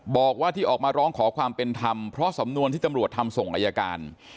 บอกว่าที่ออกมาร้องขอความเป็นธรรมเพราะสำนวนที่ตำรวจทำส่งอายการ